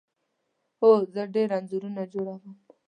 هو، زه ډیر انځورونه جوړوم